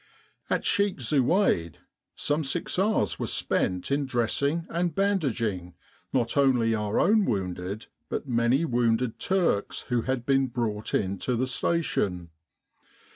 At Sheik Zuwaid some six hours were spent in dressing and bandaging not only our own wounded but many wounded Turks who had been brought in to the station.